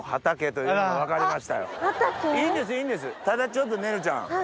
ただちょっとねるちゃん。